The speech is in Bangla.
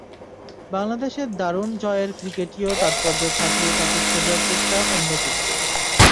বাংলাদেশের দারুণ জয়ের ক্রিকেটীয় তাৎপর্য ছাপিয়ে তাতে খোঁজার চেষ্টা অন্য কিছু।